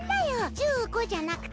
１５じゃなくて。